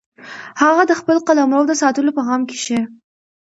هغه د خپل قلمرو د ساتلو په غم کې شي.